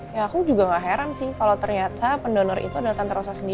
ya aku juga gak heran sih kalau ternyata pendonor itu adalah tentara usaha sendiri